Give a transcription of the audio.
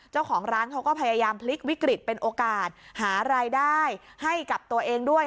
เจ้าของร้านเขาก็พยายามพลิกวิกฤตเป็นโอกาสหารายได้ให้กับตัวเองด้วย